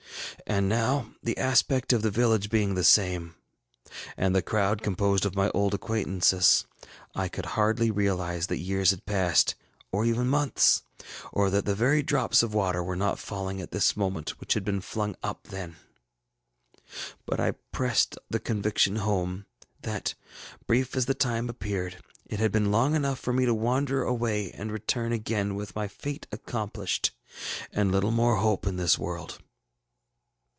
And now, the aspect of the village being the same, and the crowd composed of my old acquaintances, I could hardly realize that years had passed, or even months, or that the very drops of water were not falling at this moment, which had been flung up then. But I pressed the conviction home, that, brief as the time appeared, it had been long enough for me to wander away and return again, with my fate accomplished, and little more hope in this world.